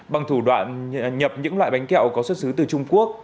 bằng thủ đoạn nhập những loại bánh kẹo có xuất xứ từ trung quốc